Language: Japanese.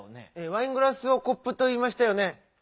「ワイングラス」を「コップ」といいましたよね。